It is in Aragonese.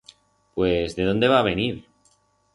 Pues, de dónde va a venir?